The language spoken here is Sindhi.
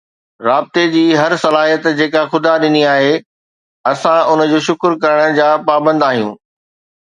رابطي جي هر صلاحيت جيڪا خدا ڏني آهي، اسان ان جو شڪر ڪرڻ جا پابند آهيون.